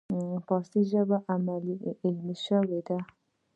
فارسي ژبه علمي شوې ده.